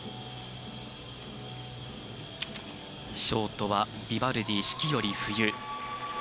ショートはビバルディ「四季」より「冬」。